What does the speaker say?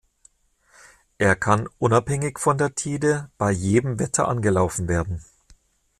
Er kann unabhängig von der Tide bei jedem Wetter angelaufen werden.